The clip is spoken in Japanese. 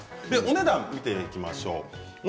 お値段を見ていきましょう。